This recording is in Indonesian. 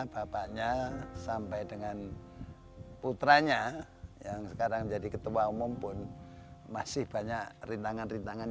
bapaknya sampai dengan putranya yang sekarang jadi ketua umum pun masih banyak rintangan rintangan